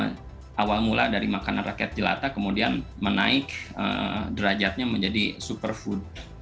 nah awal mula dari makanan rakyat jelata kemudian menaik derajatnya menjadi superfood